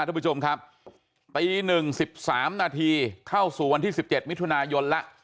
ทุกผู้ชมครับตี๑๑๓นาทีเข้าสู่วันที่๑๗มิถุนายนแล้ว